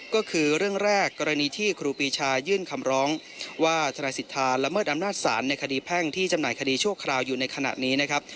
ก็คือเรื่องแรกกรณีที่ครูปีชายื่นคำร้องว่าทนายสิทธาละเมิดอำนาจศาลในคดีแพ่งที่จำหน่ายคดีชั่วคราวอยู่ในขณะนี้นะครับ